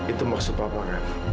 itu maksud papa kan